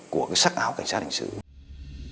của sắc áo cảnh sát hành hình sự